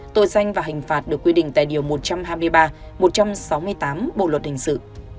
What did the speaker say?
tội danh và hình phạt được quy định tại điều một trăm hai mươi ba một trăm sáu mươi tám bộ luật hình sự